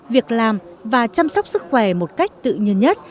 việc làm và chăm sóc sức khỏe một cách tự nhiên nhất